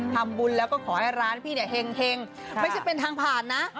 ทำบุญแล้วก็ขอให้ร้านพี่เนี่ยเห็งไม่ใช่เป็นทางผ่านนะ